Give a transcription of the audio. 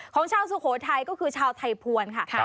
ของชาวสุโขทัยก็คือชาวไทยภวรค่ะ